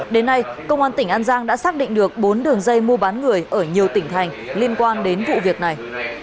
đến nay công an tỉnh an giang đã xác định được bốn đường dây mua bán người ở nhiều tỉnh thành liên quan đến vụ việc này